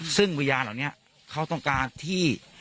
ซึ่งวิญญาณเหล่านี้เขาต้องการที่